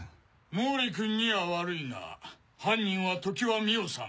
毛利君には悪いが犯人は常磐美緒さん